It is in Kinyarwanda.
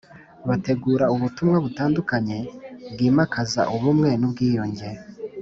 Bategura ubutumwa butandukanye bwimakaza ubumwe n ubwiyunge